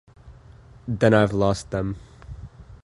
Then I’ve lost them.